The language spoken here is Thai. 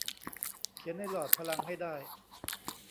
เขียนในหลอดพลังให้ได้